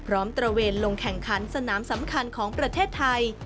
ตระเวนลงแข่งขันสนามสำคัญของประเทศไทย